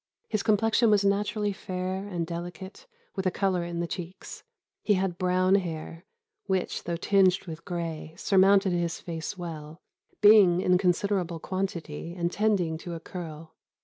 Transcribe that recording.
His complexion was naturally fair and delicate, with a colour in the cheeks. He had brown hair, which, though tinged with gray, surmounted his face well, being in considerable quantity, and tending to a curl.